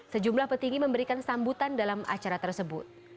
sejumlah petinggi memberikan sambutan dalam acara tersebut